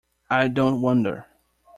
I don't wonder.